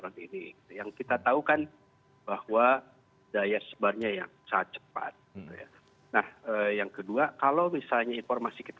memang belum banyak